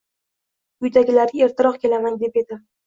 Uydagilarga ertaroq kelaman, deb edim